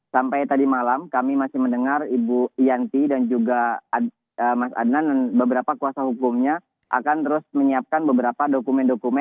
sampai tadi malam kami masih mendengar ibu yanti dan juga mas adnan dan beberapa kuasa hukumnya akan terus menyiapkan beberapa dokumen dokumen